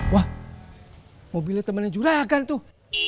wah mobilnya temannya juragan tuh